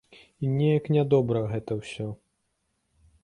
І неяк нядобра гэта ўсё.